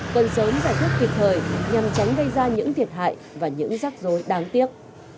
cần sớm giải quyết kịp thời nhằm tránh gây ra những thiệt hại và những rắc rối đáng tiếc